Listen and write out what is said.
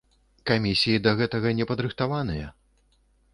Камісіі да гэтага не падрыхтаваныя!